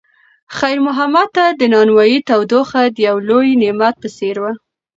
خیر محمد ته د نانوایۍ تودوخه د یو لوی نعمت په څېر وه.